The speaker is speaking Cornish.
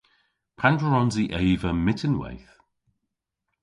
Pandr'a wrons i eva myttinweyth?